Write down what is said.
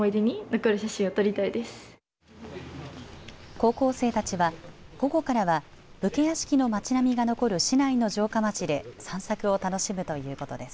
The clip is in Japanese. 高校生たちは午後からは武家屋敷の町並みが残る市内の城下町で散策を楽しむということです。